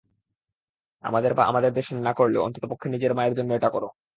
আমাদের বা আমাদের দেশের না করলেও, অন্ততপক্ষে নিজের মায়ের জন্য এটা করো!